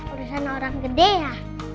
urusan orang gede ya